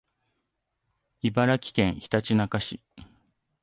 茨城県ひたちなか市